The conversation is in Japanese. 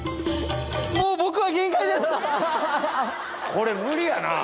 これ無理やなぁ。